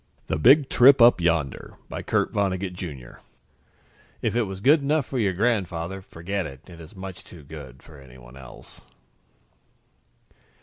net THE BIG TRIP UP YONDER By KURT VONNEGUT, JR. Illustrated by KOSSIN _If it was good enough for your grandfather, forget it ... it is much too good for anyone else!